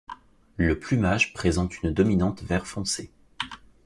Le plumage présente une dominante vert foncé.